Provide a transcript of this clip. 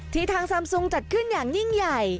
ทางซามซุงจัดขึ้นอย่างยิ่งใหญ่